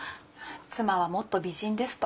妻はもっと美人ですと。